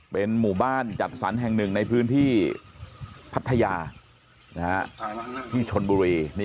เป็นหมู่บ้านจัดสรรแห่งหนึ่งในพื้นที่พัทยาที่ชนบุรี